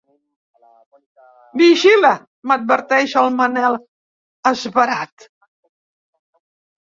Vigila! —m'adverteix el Manel, esverat.